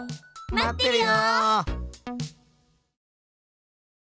待ってるよ！